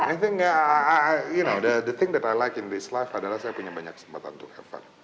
i think the thing that i like in this life adalah saya punya banyak kesempatan untuk have fun